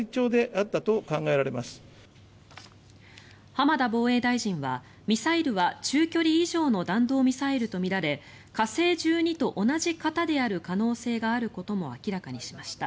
浜田防衛大臣はミサイルは中距離以上の弾道ミサイルとみられ火星１２と同じ型である可能性があることも明らかにしました。